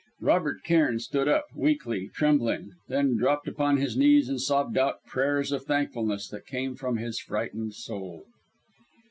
Robert Cairn stood up, weakly, trembling; then dropped upon his knees and sobbed out prayers of thankfulness that came from his frightened soul.